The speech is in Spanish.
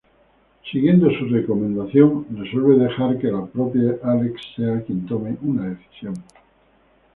Siguiendo su recomendación resuelve dejar que la propia Álex sea quien tome una decisión.